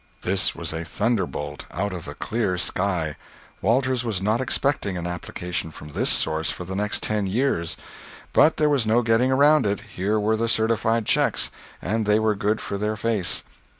This was a thunderbolt out of a clear sky. Walters was not expecting an application from this source for the next ten years. But there was no getting around it—here were the certified checks, and they were good for their face.